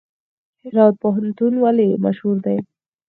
هرات پوهنتون ولې مشهور دی؟